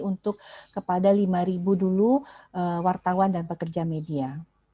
untuk kepada lima dulu wartawan dan pekerja media